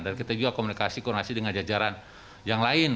dan kita juga komunikasi komunikasi dengan jajaran yang lain